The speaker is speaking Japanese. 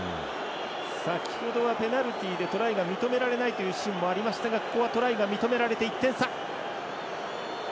先ほどはペナルティでトライが認められないというシーンもありましたがここはトライが認められて１点差。